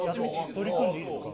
取り組んでいいですか？